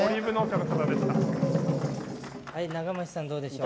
長町さんどうでしょう。